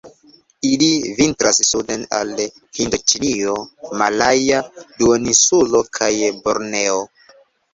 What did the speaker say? Ili vintras suden al Hindoĉinio, Malaja Duoninsulo kaj Borneo.